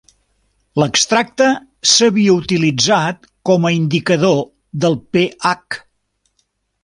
L'extracte s'havia utilitzat com a indicador del pH.